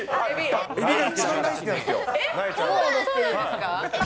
エビが一番大好きなんですよ、えっ。